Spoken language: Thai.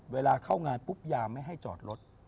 เวลาเข้างานปุ๊บยามไม่ให้จอดรถ